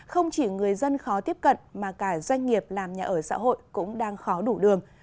không chỉ người dân khó tiếp cận mà cả doanh nghiệp làm nhà ở xã hội cũng đang khó đủ đường